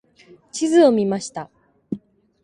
地図を見ました。